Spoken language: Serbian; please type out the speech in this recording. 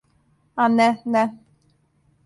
А не, не.